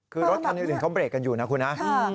คือรถคันอื่นเขาเรกกันอยู่นะคุณนะ